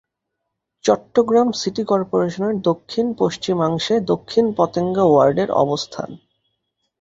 Chittagong city কর্পোরেশনের দক্ষিণ-পশ্চিমাংশে দক্ষিণ পতেঙ্গা ওয়ার্ডের অবস্থান।